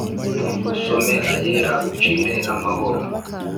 Usome ayera ucire amahoro